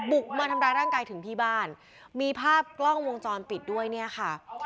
บุกมาทำร้ายร่างกายถึงที่บ้านมีภาพกล้องวงจรปิดด้วยเนี่ยค่ะ